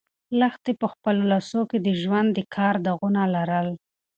لښتې په خپلو لاسو کې د ژوند د کار داغونه لرل.